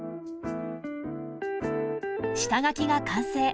下描きが完成。